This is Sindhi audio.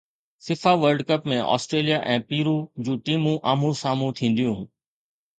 FIFA world cup ۾ Australia ۽ Peru جون ٽيمون آمهون سامهون ٿينديون